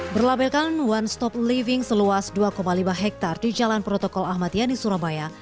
berlabelkan one stop living seluas dua lima hektare di jalan protokol ahmad yani surabaya